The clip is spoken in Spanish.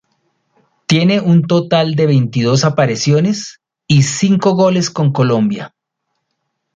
Tiene un total de veintidós apariciones y cinco goles con Colombia.